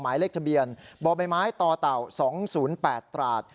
หมายเลขทะเบียนบ่อไม้ไม้ต่อเต่าสองศูนย์แปดตราด